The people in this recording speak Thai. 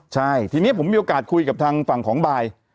ใช่ทีนี้ผมมีโอกาสคุยกับทางฝั่งของบาย